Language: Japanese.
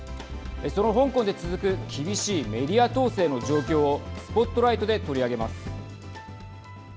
その香港で続く厳しいメディア統制の状況をＳＰＯＴＬＩＧＨＴで取り上げます。